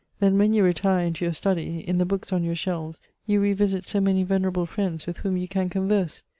Then, when you retire into your study, in the books on your shelves you revisit so many venerable friends with whom you can converse.